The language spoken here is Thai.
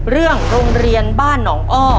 โรงเรียนบ้านหนองอ้อ